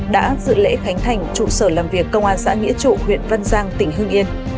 đã dự lễ khánh thành trụ sở làm việc công an xã nghĩa trụ huyện văn giang tỉnh hương yên